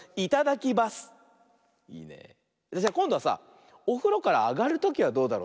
それじゃこんどはさおふろからあがるときはどうだろうね。